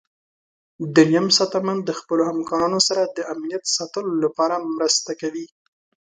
دریم ساتنمن د خپلو همکارانو سره د امنیت ساتلو لپاره مرسته کوي.